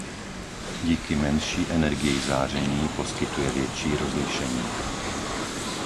Díky menší energii záření poskytuje větší rozlišení.